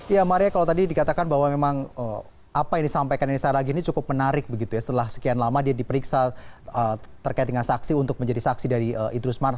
ya maria kalau tadi dikatakan bahwa memang apa yang disampaikan eni saragi ini cukup menarik begitu ya setelah sekian lama dia diperiksa terkait dengan saksi untuk menjadi saksi dari idrus marham